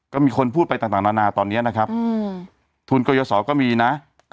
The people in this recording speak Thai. ก็มีคนพูดไปต่างนานาตอนนี้นะครับทุนกรยาศรก็มีนะ